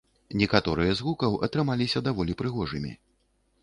Некаторыя з гукаў атрымаліся даволі прыгожымі.